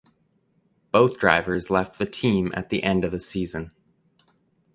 Both drivers left the team at the end of the season.